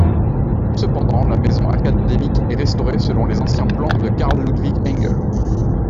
Cependant la maison académique est restaurée selon les anciens plans de Carl Ludvig Engel.